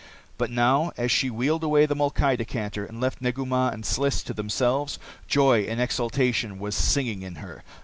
But now, as she wheeled away the molkai decanter and left Negu Mah and Sliss to themselves, joy and exultation was singing in her.